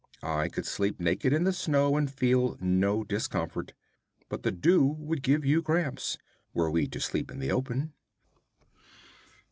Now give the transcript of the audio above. I could sleep naked in the snow and feel no discomfort, but the dew would give you cramps, were we to sleep in the open.'